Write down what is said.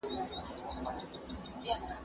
دا قلمان له هغو ښه دي.